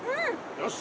よし！